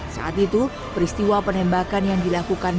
saat itu peristiwa penembakan yang dilakukan